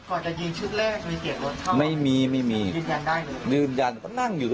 ก่อนจะยืนทุกข์แรก